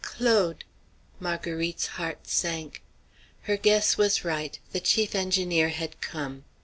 "Claude!" Marguerite's heart sank. Her guess was right: the chief engineer had come.